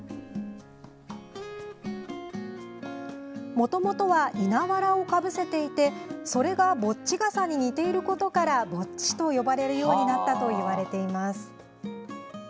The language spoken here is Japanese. もともとは稲わらをかぶせていてそれがぼっち笠に似ていることからぼっちと呼ばれるようになったといわれています。